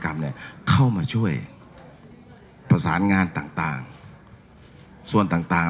การเข้าแล้วมาช่วยประสานการต่าง